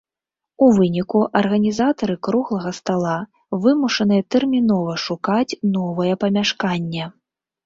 У выніку, арганізатары круглага стала вымушаныя тэрмінова шукаць новае памяшканне.